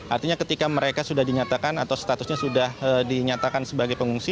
artinya ketika mereka sudah dinyatakan atau statusnya sudah dinyatakan sebagai pengungsi